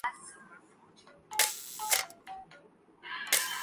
مدرسہ بورڈوزارت مذہبی امور کا حصہ ہے۔